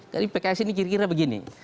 jadi pks ini kira kira begini